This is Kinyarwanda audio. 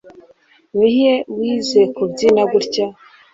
ni he wize kubyina gutya